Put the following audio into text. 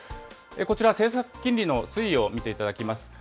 こちら、政策金利の推移を見ていただきます。